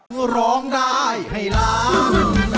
คือร้องได้ให้ล้าน